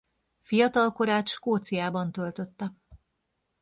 Fiatalkorát Skóciában töltötte.